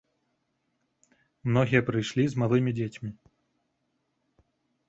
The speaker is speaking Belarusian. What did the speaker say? Многія прыйшлі з малымі дзецьмі.